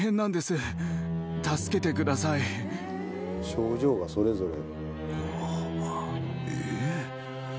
症状がそれぞれ。